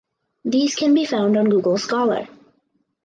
These can be found on Google Scholar.